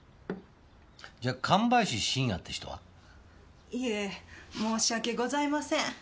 じゃ神林信弥って人は？いえ申し訳ございません。